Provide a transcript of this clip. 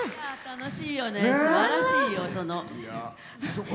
楽しい、すばらしいよ。